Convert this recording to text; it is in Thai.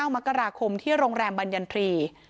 ๙มคที่โรงแรมวันยันทรีย์